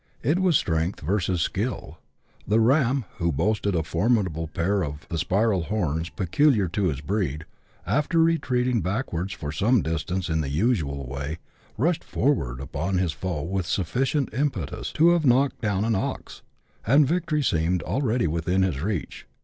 It was strength versus skill. The ram, who boasted a formidable pair of the spiral horns peculiar to his breed, after retreating back wards for some distance in the usual way, rushed forward upon his foe with sufficient impetus to have knocked down an ox, and victory seemed already within his reach.